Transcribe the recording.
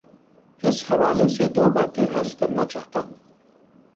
اس حوالے سے دو باتیں عرض کرنا چاہتا ہوں۔